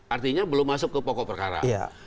artinya belum masuk ke pokok perkara